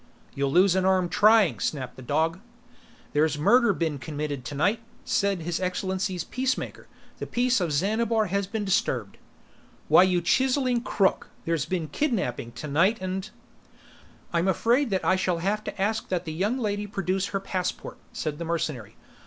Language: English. "You'll lose an arm trying!" snapped the dog. "There's murder been committed tonight," said His Excellency's Peacemaker. "The Peace of Xanabar has been disturbed." "Why you chiseling crook, there's been kidnaping tonight, and " "I'm afraid that I shall have to ask that the young lady produce her passport," said the mercenary.